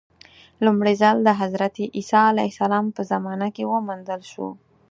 لومړی ځل د حضرت عیسی علیه السلام په زمانه کې وموندل شو.